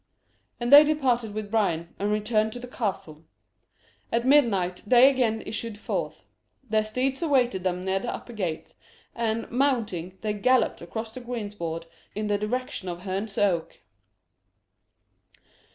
And they departed with Bryan, and returned to the castle. At midnight they again issued forth. Their steeds awaited them near the upper gate, and, mounting, they galloped across the greensward in the direction of Herne's Oak.